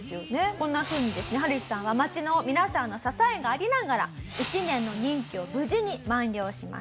こんなふうにですねハルヒさんは町の皆さんの支えがありながら１年の任期を無事に満了します。